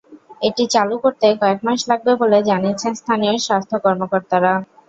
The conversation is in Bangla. এটি চালু করতে কয়েক মাস লাগবে বলে জানিয়েছেন স্থানীয় স্বাস্থ্য কর্মকর্তারা।